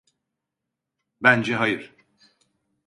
Bence hayır.